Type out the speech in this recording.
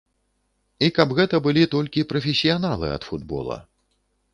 І каб гэта былі толькі прафесіяналы ад футбола.